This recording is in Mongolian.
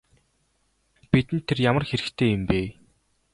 Бидэнд тэр ямар хэрэгтэй юм бэ?